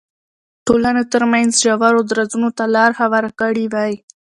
ټولنو ترمنځ ژورو درزونو ته لار هواره کړې وای.